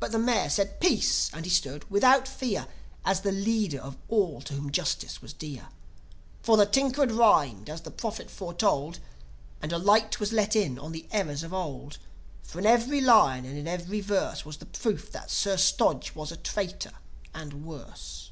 But the Mayor said: Peace! And he stood, without fear, As the leader of all to whom Justice was dear. For the Tinker had rhymed, as the Prophet foretold, And a light was let in on the errors of old. For in every line, and in every verse Was the proof that Sir Stodge was a traitor, and worse!